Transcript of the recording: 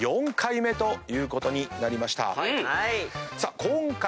４回目ということになりました。